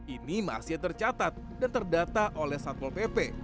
ini masih tercatat dan terdata oleh satpol pp